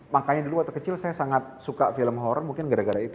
makanya dulu waktu kecil saya sangat suka film horror mungkin gara gara itu